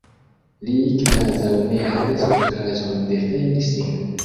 Li kvazaŭ ne havis okazon defendi sin.